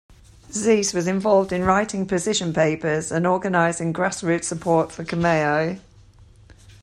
Zeese was involved in writing position papers and organizing grass roots support for Camejo.